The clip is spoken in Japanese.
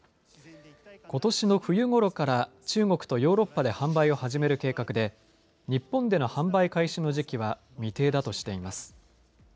ことしの冬ごろから中国とヨーロッパで販売を始める計画で日本での販売開始の時期は未定だとしています。